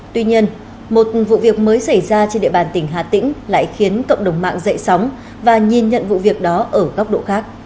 tuy nhiên một vụ việc mới xảy ra trên địa bàn tỉnh hà tĩnh lại khiến cộng đồng mạng dậy sóng và nhìn nhận vụ việc đó ở góc độ khác